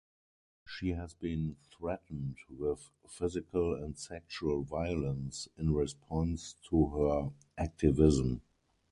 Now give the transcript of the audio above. She has been threatened with physical and sexual violence in response to her activism.